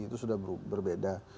itu sudah berbeda